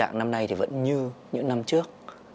các định dạng năm nay vẫn như những năm trước